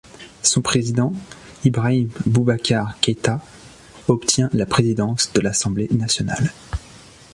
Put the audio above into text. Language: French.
Son président Ibrahim Boubacar Keïta obtient la présidence de l’Assemblée nationale.